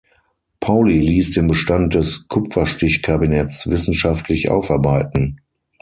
Pauli ließ den Bestand des Kupferstichkabinetts wissenschaftlich aufarbeiten.